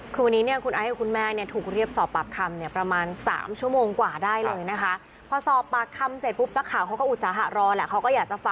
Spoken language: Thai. คือวันนี้คุณไอ้กับคุณแม่ถูกเรียบสอบปรับคำ